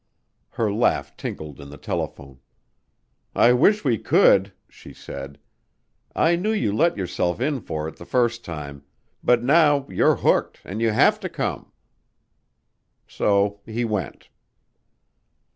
Her laugh tinkled in the telephone. "I wish we could," she said. "I knew you let yourself in for it the first time but now you're hooked and you have to come." So he went.